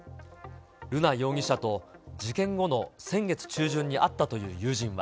瑠奈容疑者と事件後の先月中旬に会ったという友人は。